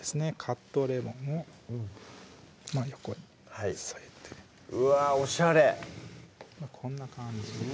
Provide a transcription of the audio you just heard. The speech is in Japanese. カットレモンを真横に添えてうわおしゃれこんな感じ